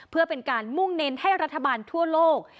เพื่อเป็นการมุ่งเน้นให้รัฐบาลทั่วโลก